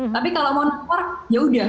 tapi kalau mau nge park ya udah